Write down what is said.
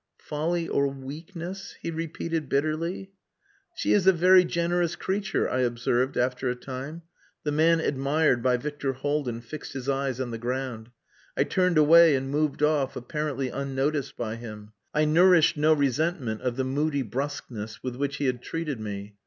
"Folly or weakness," he repeated bitterly. "She is a very generous creature," I observed after a time. The man admired by Victor Haldin fixed his eyes on the ground. I turned away and moved off, apparently unnoticed by him. I nourished no resentment of the moody brusqueness with which he had treated me.